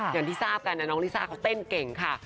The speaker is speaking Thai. อย่างที่ทราบกันนะน้องลิซ่าเขาเต้นเก่งค่ะ